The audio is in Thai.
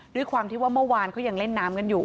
ด้วยความที่ว่าเมื่อวานเขายังเล่นน้ำกันอยู่